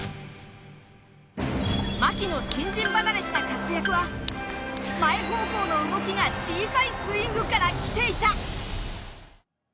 牧の新人離れした活躍は、前方向の動きが小さいスイングから来ていた。